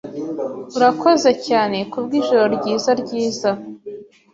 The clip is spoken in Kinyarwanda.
Urakoze cyane kubwijoro ryiza ryiza.